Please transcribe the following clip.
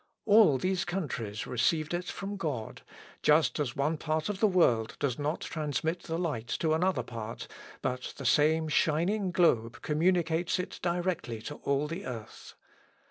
All these countries received it from God, just as one part of the world does not transmit the light to another part, but the same shining globe communicates it directly to all the earth.